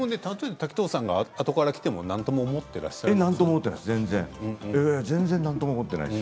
滝藤さんがあとから来ても何とも思ってなんとも思っていない。